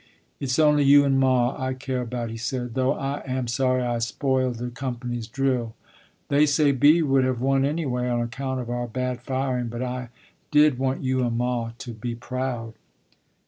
"It's only you an' ma I care about," he said, "though I am sorry I spoiled the company's drill; they say "B" would have won anyway on account of our bad firing, but I did want you and ma to be proud."